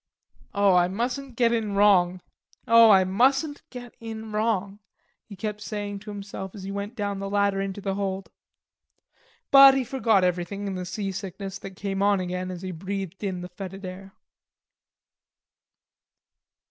"Oh, I mustn't get in wrong. Oh, I mustn't get in wrong," he kept saying to himself as he went down the ladder into the hold. But he forgot everything in the seasickness that came on again as he breathed in the fetid air.